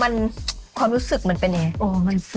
มันความรู้สึกมันเป็นยังไง